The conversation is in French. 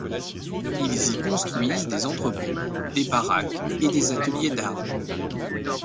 Ils y construisent des entrepôts, des baraques et des ateliers d'armes.